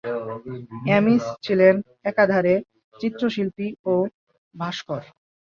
Amiss ছিলেন একাধারে চিত্রশিল্পী ও ভাস্কর।